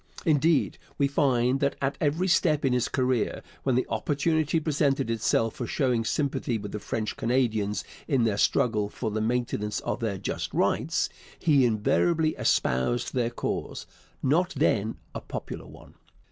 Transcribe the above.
Indeed, we find that at every step in his career, when the opportunity presented itself for showing sympathy with the French Canadians in their struggle for the maintenance of their just rights, he invariably espoused their cause, not then a popular one.